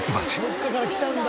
どこかから来たんだ。